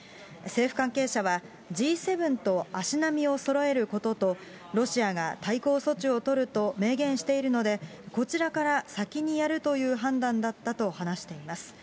政府関係者は、Ｇ７と足並みをそろえることと、ロシアが対抗措置を取ると明言しているので、こちらから先にやるという判断だったと話しています。